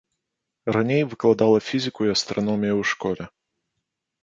Раней выкладала фізіку і астраномію ў школе.